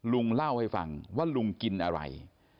ลุงเล่าให้ฟังว่าลุงกินอะไร